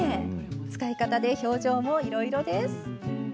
使い方で表情もいろいろです。